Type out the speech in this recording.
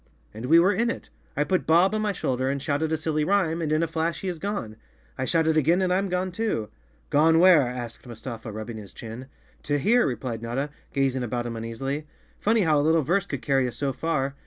"And we were in it. I put Bob on my shoulder and shouted a silly rhyme, and in a flash he is gone. I shout it again and I'm gone too!" "Gone where?" asked Mustafa, rubbing his chin. "To here," replied Notta, gazing about him uneas¬ ily. "Funny how a little verse could carry us so far.